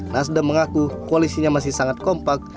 nasdem mengaku koalisinya masih sangat kompak